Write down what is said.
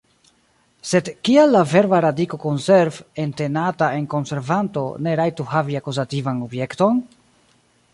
Sed kial la verba radiko konserv, entenata en konservanto, ne rajtu havi akuzativan objekton?